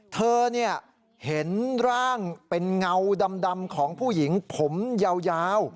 เธอเห็นร่างเป็นเงาดำของผู้หญิงผมยาว